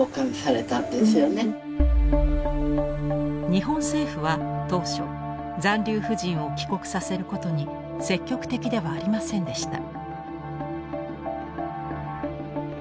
日本政府は当初残留婦人を帰国させることに積極的ではありませんでした。